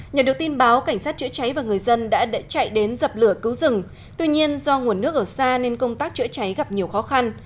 nhờ được tin báo cảnh sát chữa cháy và người dân đã chạy đến dập lửa cứu rừng tuy nhiên do nguồn nước ở xa nên công tác chữa cháy gặp nhiều khó khăn